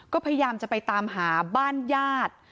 ก็พยายามจะไปตามหาบ้านญาติ